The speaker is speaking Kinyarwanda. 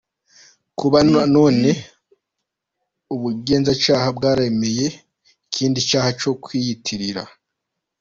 Kuba nanone ubugenzacyaha bwararemye ikindi cyaha cyo kwiyitirira